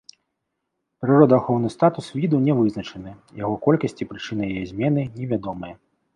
Прыродаахоўны статус віду нявызначаны, яго колькасць і прычыны яе змены невядомыя.